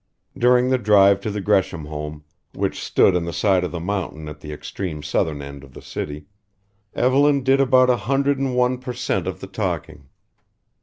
During the drive to the Gresham home, which stood on the side of the mountain at the extreme southern end of the city Evelyn did about a hundred and one per cent of the talking.